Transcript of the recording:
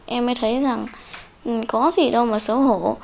em mới thấy rằng có gì đâu mà xấu hổ